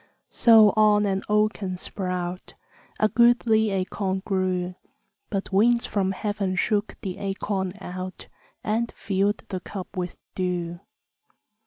So on an oaken sprout A goodly acorn grew; But winds from heaven shook the acorn out, And filled the cup with dew.